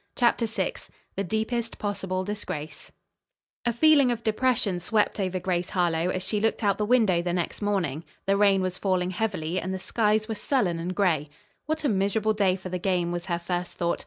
CHAPTER VI THE DEEPEST POSSIBLE DISGRACE A feeling of depression swept over Grace Harlowe as she looked out the window the next morning. The rain was falling heavily and the skies were sullen and gray. "What a miserable day for the game," was her first thought.